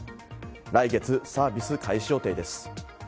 来月、サービス開始予定です。